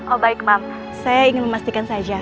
oh baik mam saya ingin memastikan saja